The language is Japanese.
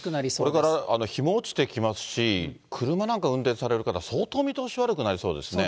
これから日も落ちてきますし、車なんか運転される方、相当見通し悪くなりそうですね。